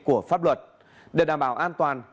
của pháp luật để đảm bảo an toàn